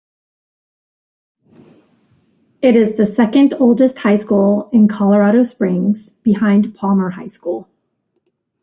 It is the second oldest high school in Colorado Springs, behind Palmer High School.